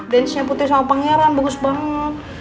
dancenya putri sama pangeran bagus banget